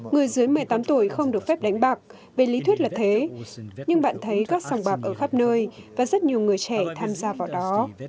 người dưới một mươi tám tuổi không được phép đánh bạc về lý thuyết là thế nhưng bạn thấy các sòng bạc ở khắp nơi và rất nhiều người trẻ tham gia vào đó